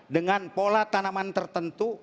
dengan pola tanaman tertentu